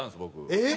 えっ？